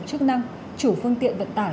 chức năng chủ phương tiện vận tải